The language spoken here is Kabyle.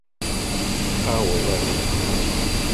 Aweḍ ar axxam.